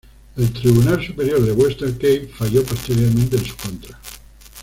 El Tribunal Superior de Western Cape falló posteriormente en su contra.